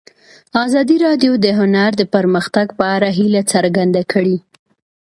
ازادي راډیو د هنر د پرمختګ په اړه هیله څرګنده کړې.